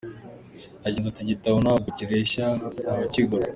Yagize ati “Igitabo ntabwo kireshya abakigura.